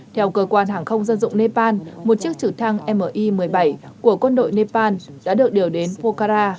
theo cơ quan hàng không dân dụng nepal một chiếc trực thăng mi một mươi bảy của quân đội nepal đã được điều đến pokara